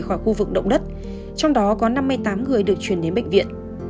khỏi khu vực động đất trong đó có năm mươi tám người được chuyển đến bệnh viện